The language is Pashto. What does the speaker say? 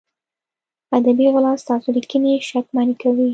ادبي غلا ستاسو لیکنې شکمنې کوي.